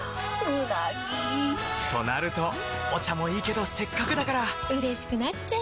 うなぎ！となるとお茶もいいけどせっかくだからうれしくなっちゃいますか！